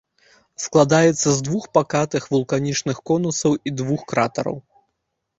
Складаецца з двух пакатых вулканічных конусаў і двух кратараў.